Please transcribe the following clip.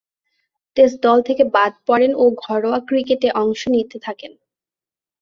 Test দল থেকে বাদ পড়েন ও ঘরোয়া ক্রিকেটে অংশ নিতে থাকেন।